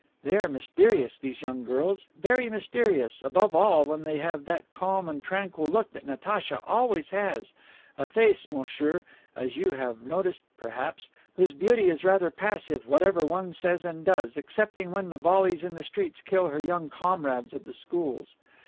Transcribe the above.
They are mysterious, these young girls, very mysterious, above all when they have that calm and tranquil look that Natacha always has; a face, monsieur, as you have noticed perhaps, whose beauty is rather passive whatever one says and does, excepting when the volleys in the streets kill her young comrades of the schools.